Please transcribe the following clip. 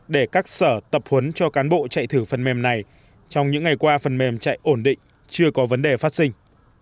để các sở tập huấn cho cán bộ chạy thử phần mềm này trong những ngày qua phần mềm chạy ổn định chưa có vấn đề phát sinh